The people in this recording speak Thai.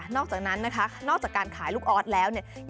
อกจากนั้นนะคะนอกจากการขายลูกออสแล้วเนี่ย